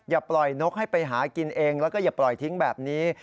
อย่าปล่อยนกให้ไปหากินเองแล้วก็อย่าปล่อยทิ้งแบบนี้